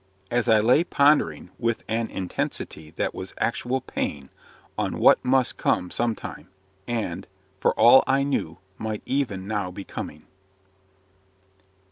as I lay pondering with an intensity that was actual pain, on what must come some time, and, for all I knew, might even now be coming.